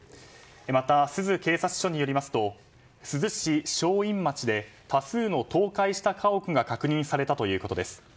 また、珠洲警察署によりますと珠洲市ショウイン町で多数の倒壊した家屋が確認されたということです。